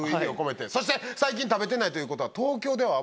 そして最近食べてないということは。